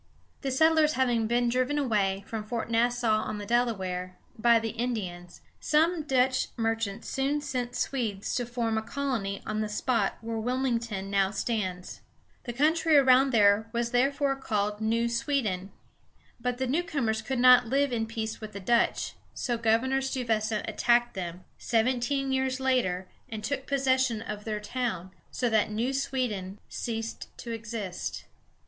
The settlers having been driven away from Fort Nassau, on the Delaware, by the Indians, some Dutch merchants soon sent Swedes to form a colony on the spot where Wil´ming ton now stands. The country around there was therefore called New Sweden. But the newcomers could not live in peace with the Dutch; so Governor Stuyvesant attacked them, seventeen years later, and took possession of their town, so that New Sweden ceased to exist. [Illustration: Stuyvesant wanted the People to resist.